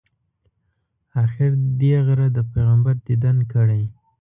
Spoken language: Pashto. آخر دې غره د پیغمبر دیدن کړی.